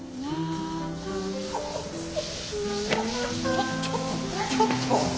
ちょっとちょっとちょっと。